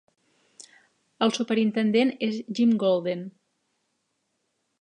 El superintendent és Jim Golden.